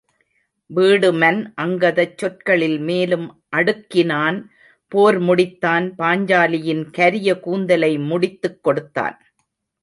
வீடுமன் அங்கதச் சொற்களில் மேலும் அடுக்கினான் போர் முடித்தான் பாஞ்சாலியின் கரிய கூந்தலை முடித்துக் கொடுத்தான்.